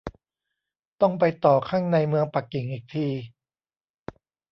ต้องไปต่อข้างในเมืองปักกิ่งอีกที